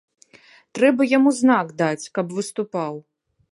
Трэба яму знак даць, каб выступаў.